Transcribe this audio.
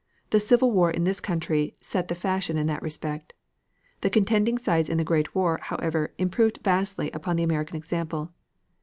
The Civil War in this country set the fashion in that respect. The contending sides in the Great War, however, improved vastly upon the American example.